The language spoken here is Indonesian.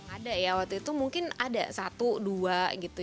ada ya waktu itu mungkin ada satu dua gitu